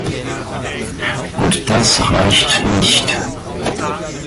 Und das reicht nicht.